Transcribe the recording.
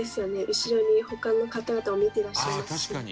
後ろに他の方々も見てらっしゃいますしね。